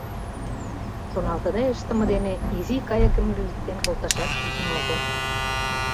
Шоналтыде ыштыме дене изи кайыкым лӱдыктен колташат кужун огыл.